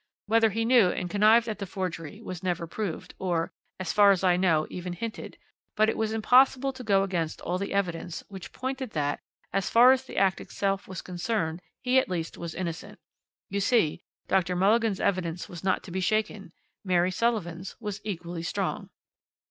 Whether he knew and connived at the forgery was never proved or, as far as I know, even hinted, but it was impossible to go against all the evidence, which pointed that, as far as the act itself was concerned, he at least was innocent. You see, Dr. Mulligan's evidence was not to be shaken. Mary Sullivan's was equally strong.